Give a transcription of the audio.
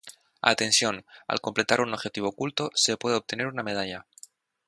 Atención: Al completar un objetivo oculto, se puede obtener una medalla.